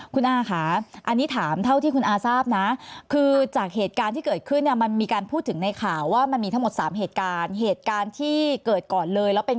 คุณอาค่ะอันนี้ถามเท่าที่คุณอาทิตย์ทราบนะคือจากเหตุการณ์ที่เกิดขึ้นมันมีการพูดถึงในข่าวว่ามันมีทั้งหมด๓เหตุการณ์